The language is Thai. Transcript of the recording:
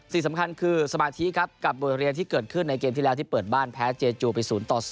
สิ่งสำคัญคือสมาธิครับกับบทเรียนที่เกิดขึ้นในเกมที่แล้วที่เปิดบ้านแพ้เจจูไป๐ต่อ๐